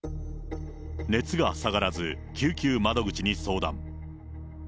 熱が下がらず、救急窓口に相談。